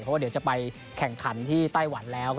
เพราะว่าเดี๋ยวจะไปแข่งขันที่ไต้หวันแล้ว